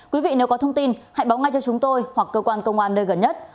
quý vị nếu có thông tin hãy báo ngay cho chúng tôi hoặc cơ quan công an nơi gần nhất